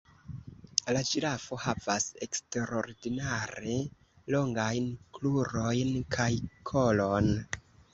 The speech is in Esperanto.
La ĝirafo havas eksterordinare longajn krurojn kaj kolon.